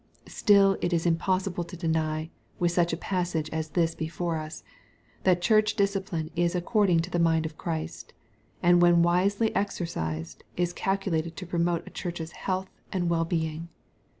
Still it is impossible to deny, with such a passage as this before us, that church discipline is according to the mind of Christ, and when wisely exercised, is calculated to pro mote a chuix)h's health and well being.